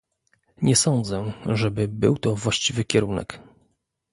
Nie sądzę, żeby był to właściwy kierunek